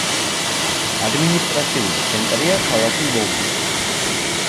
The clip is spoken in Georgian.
ადმინისტრაციული ცენტრია ქალაქი ლომი.